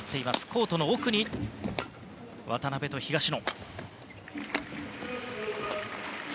コートの奥に渡辺と東野。